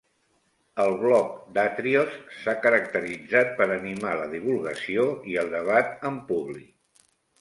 El blog d'Atrios s'ha caracteritzat per animar la divulgació i el debat en públic.